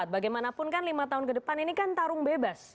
bagaimanapun kan lima tahun ke depan ini kan tarung bebas